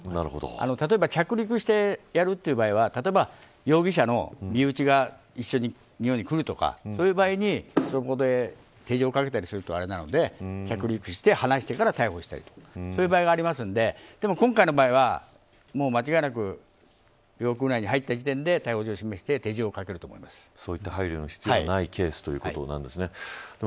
例えば、着陸してやるという場合は容疑者の身内が一緒に日本に来るとかそういう場合に、そこで手錠をかけたりするとあれなので着陸してはなしてから逮捕したりそういう場合があるのででも、今回の場合は間違いなく領空内に入った時点で逮捕状を示して手錠をかそういった配慮の必要がないケースということなんですね。